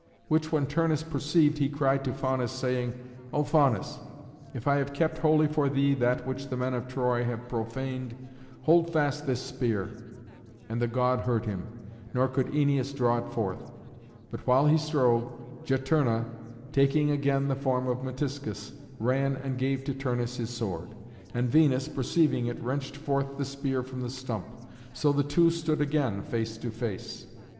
Which when Turnus perceived, he cried to Faunus, saying, "O Faunus, if I have kept holy for thee that which the men of Troy have profaned, hold fast this spear." And the god heard him; nor could Æneas draw it forth. But while he strove, Juturna, taking again the form of Metiscus, ran and gave to Turnus his sword. And Venus, perceiving it, wrenched forth the spear from the stump. So the two stood again face to face.